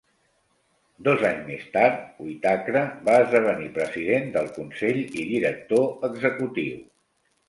Dos anys més tard, Whitacre va esdevenir president del consell i director executiu.